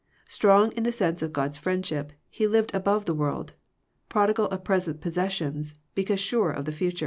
Strong m the sense of God's friendship, he lived above the world, prodigal of present possessions, because sure of the future.